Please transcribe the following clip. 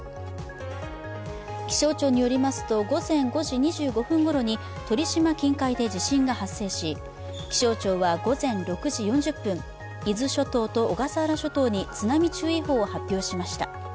気象庁によりますと、午前５時２５分ごろに鳥島近海で地震が発生し、気象庁は午前６時４０分、伊豆諸島と小笠原諸島に津波注意報を発表しました。